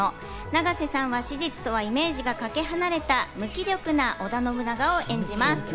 永瀬さんは史実とはイメージがかけ離れた無気力な織田信長を演じます。